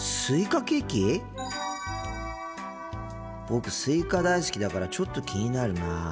僕スイカ大好きだからちょっと気になるな。